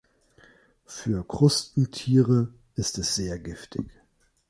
Für Krustentiere ist es sehr giftig.